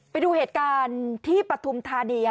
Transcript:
ไปดูเหตุการณ์ที่ปฐุมธานี